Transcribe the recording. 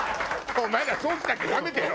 お前らソースだけなめてろ！